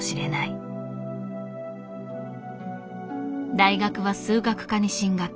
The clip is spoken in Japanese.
大学は数学科に進学。